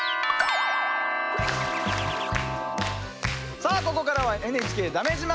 さあここからは「ＮＨＫだめ自慢」